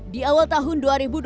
di awal tahun dua ribu dua puluh